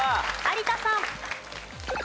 有田さん。